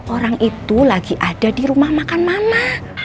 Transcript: orang itu lagi ada di rumah makan mama